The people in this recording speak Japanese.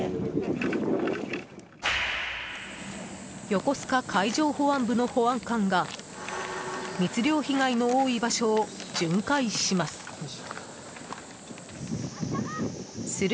横須賀海上保安部の保安官が密漁被害の多い場所を巡回します。